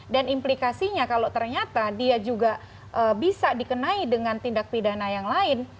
dan implikasinya kalau ternyata dia juga bisa dikenai dengan tindak pidana yang lain